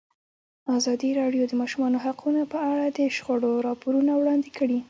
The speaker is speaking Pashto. ازادي راډیو د د ماشومانو حقونه په اړه د شخړو راپورونه وړاندې کړي.